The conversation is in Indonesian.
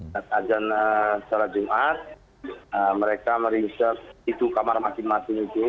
saat azan secara jumat mereka merinses itu kamar masing masing itu